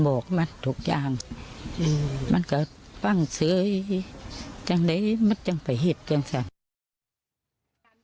บอกมันทุกอย่างมันก็ฟังเฉยจังเลยมันจังไปเหตุจังซะ